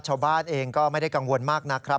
ชาวบ้านเองก็ไม่ได้กังวลมากนะครับ